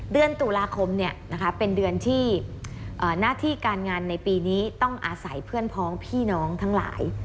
เดือนตุลาคมเป็นเดือนที่หน้าที่การงานในปีนี้ต้องอาศัยเพื่อนพ้องพี่น้องทั้งหลาย